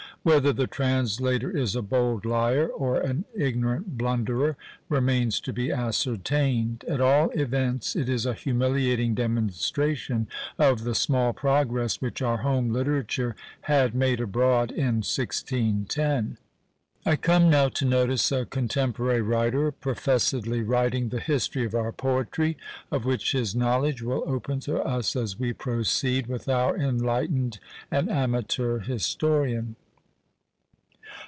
Whether the translator is a bold liar, or an ignorant blunderer, remains to be ascertained; at all events it is a humiliating demonstration of the small progress which our home literature had made abroad in 1610! I come now to notice a contemporary writer, professedly writing the history of our Poetry, of which his knowledge will open to us as we proceed with our enlightened and amateur historian.